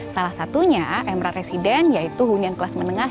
salah satunya emerald resident yaitu hunian kelas menengah